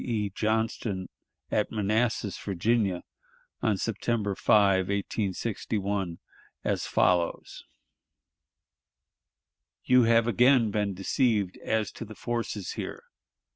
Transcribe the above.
E. Johnston at Manassas, Virginia, on September 5, 1861, as follows: "You have again been deceived as to the forces here.